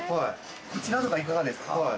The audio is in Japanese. こちらとかいかがですか？